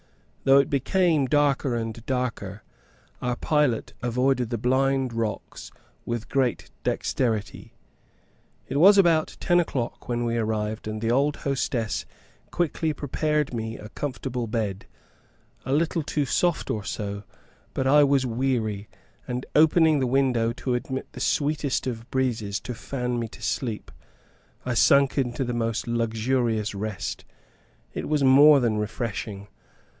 Though it became darker and darker, our pilot avoided the blind rocks with great dexterity. It was about ten o'clock when we arrived, and the old hostess quickly prepared me a comfortable bed a little too soft or so, but I was weary; and opening the window to admit the sweetest of breezes to fan me to sleep, I sunk into the most luxurious rest: it was more than refreshing.